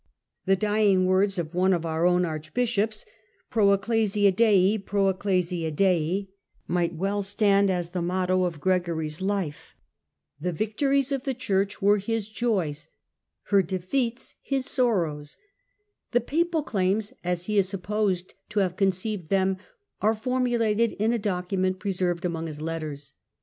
The dying words of one of our own archbishops, ' Pro ecclesi& Dei, pro ecclesi& Dei,' might well stand as the motto of Gregory's Digitized by VjOOQIC 154 HiLDEBRAND life ; the victories of the Church were his joys, her defeats his sorrows. The papal claims, as he is sup posed to have conceived them, are formulated in a document preserved amongst his letters.